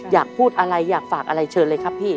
อยากพูดอะไรอยากฝากอะไรเชิญเลยครับพี่